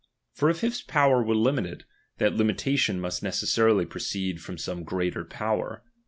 For if his power were limited, that limitation must necessarily proceed from some greater power.